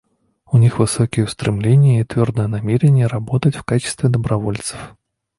У них высокие устремления и твердое намерение работать в качестве добровольцев.